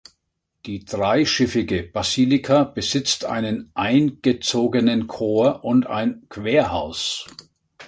Die dreischiffige Basilika besitzt einen eingezogenen Chor und ein Querhaus.